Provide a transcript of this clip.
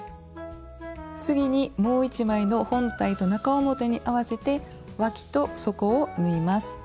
次にもう１枚の本体と中表に合わせてわきと底を縫います。